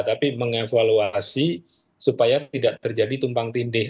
tapi mengevaluasi supaya tidak terjadi tumpang tindih